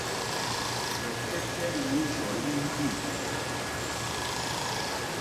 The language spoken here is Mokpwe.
Rzɛ̀kɛ́tɛ́ lǐrzɔ̀ líŋɡî.